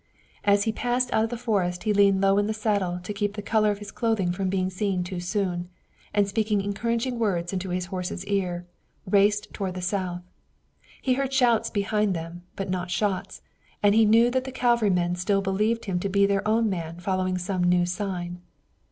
As he passed out of the forest he leaned low in the saddle to keep the color of his clothing from being seen too soon, and speaking encouraging words in his horse's ears, raced toward the south. He heard shouts behind him, but no shots, and he knew that the cavalrymen still believed him to be their own man following some new sign.